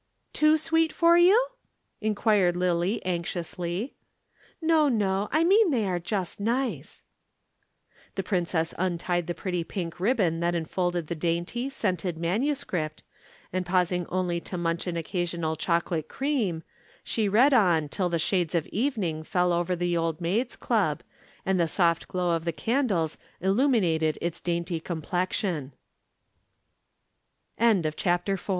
"Too sweet for you?" inquired Lillie anxiously. "No, no. I mean they are just nice." The Princess untied the pretty pink ribbon that enfolded the dainty, scented manuscript, and pausing only to munch an occasional chocolate cream, she read on till the shades of evening fell over the Old Maids' Club and the soft glow of the candles illuminate